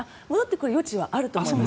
余地はあると思います。